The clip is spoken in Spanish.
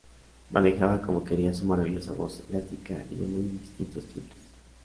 Manejaba como quería su maravillosa voz, elástica y de muy distintos timbres.